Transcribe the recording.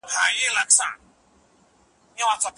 موږ باید له خپلو دوستانو سره اړیکې پیاوړې کړو.